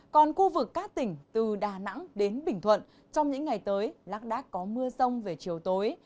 còn khu vực các tỉnh từ đà nẵng đến bình thuận trong những ngày tới lác đác có mưa rông về chiều tối